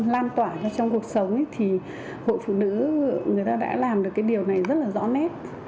làm tỏa cho trong cuộc sống thì hội phụ nữ người ta đã làm được điều này rất rõ nét